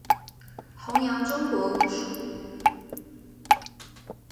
宏杨中国武术。